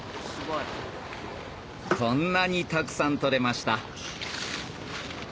こんなにたくさん獲れました